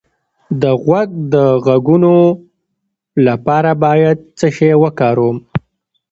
د غوږ د غږونو لپاره باید څه شی وکاروم؟